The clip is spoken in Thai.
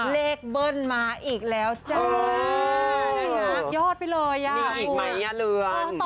เบิ้ลมาอีกแล้วจ้าสุดยอดไปเลยอ่ะมีอีกไหมอ่ะเรือน